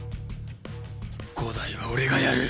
伍代は俺がやる。